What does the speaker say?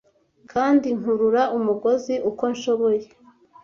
kandi nkurura umugozi uko nshoboye